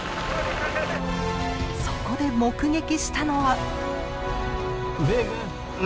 そこで目撃したのは。